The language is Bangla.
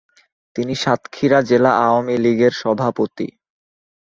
তিনি সাতক্ষীরা জেলা আওয়ামী লীগের সাভাপতি।